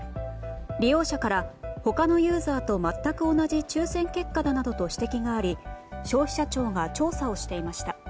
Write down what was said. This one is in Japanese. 利用者から、他のユーザーと全く同じ抽選結果だなどと指摘があり消費者庁が調査をしていました。